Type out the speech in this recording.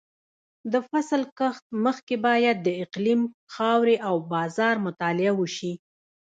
د فصل کښت مخکې باید د اقلیم، خاورې او بازار مطالعه وشي.